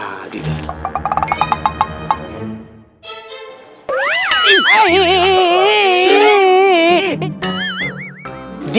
waalaikumsalam warahmatullah wabarakatuh ya udah di